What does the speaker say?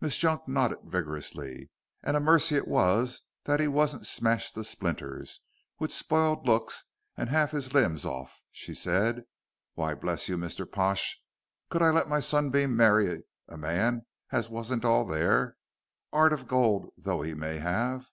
Miss Junk nodded vigorously. "And a mercy it was that he wasn't smashed to splinters, with spiled looks and half his limbses orf," she said. "Why, bless you, Mr. Pash, could I let my sunbeam marry a man as wasn't all there, 'eart of gold though he may have?